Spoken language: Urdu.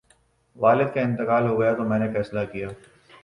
والد کا انتقال ہو گیا تو میں نے فیصلہ کیا